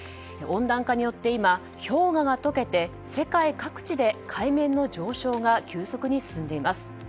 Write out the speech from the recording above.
温暖化によって今、氷河が解けて世界各地で海面の上昇が急速に進んでいます。